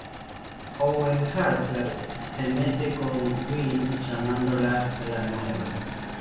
Owen Harper se mete con Gwen llamándola "la nueva".